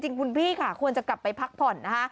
จริงคุณพี่ค่ะควรจะกลับไปพักผ่อนนะคะ